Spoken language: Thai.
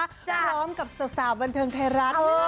พร้อมกับสาวบันเทิงไทยรัฐ